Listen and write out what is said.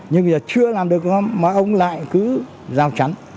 nhưng bây giờ chưa làm đường ngom mà ông lại cứ rào chắn